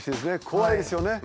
怖いですよね。